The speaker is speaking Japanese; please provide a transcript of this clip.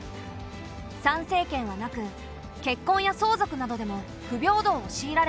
参政権はなく結婚や相続などでも不平等を強いられていた。